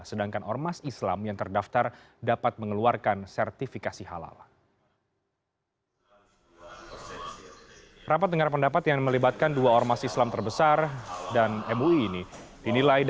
sedangkan ormas islam yang terdaftar dapat mengeluarkan sertifikasi halal